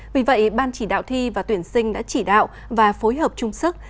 vì vậy ban chỉ đạo thi và tuyển sinh đã chỉ đạo và phối hợp chung sức